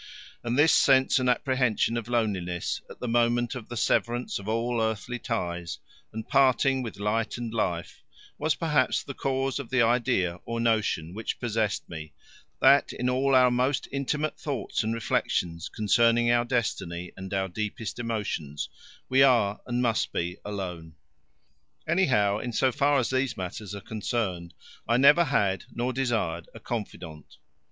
And this sense and apprehension of loneliness at the moment of the severance of all earthly ties and parting with light and life, was perhaps the cause of the idea or notion which possessed me, that in all our most intimate thoughts and reflections concerning our destiny and our deepest emotions, we are and must be alone. Anyhow, in so far as these matters are concerned, I never had nor desired a confidant.